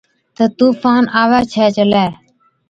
تہ طُوفان آوَي ڇَي چلَي،